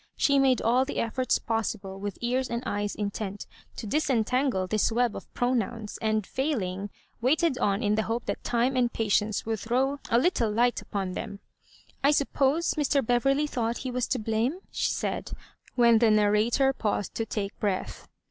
She made all the efforts possible, with ears and eyes intent, to disentangle this web of pronouns, and failing, waited on in the hope that time and patience would throw a little light upon theoL " I sup pose Mr. Beverley thought he was to blame ?" she said, when the narrator paused to take brea th.